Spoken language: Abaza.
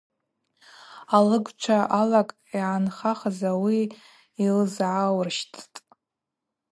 Алыгчва алакӏ йгӏанхахыз ауи йлызгӏауырщттӏ.